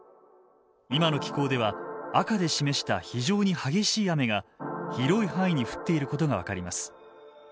今の気候では赤で示した非常に激しい雨が広い範囲に降っていることが分かります。